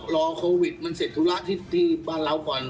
รอโควิดมันเสร็จธุระที่บ้านเราก่อน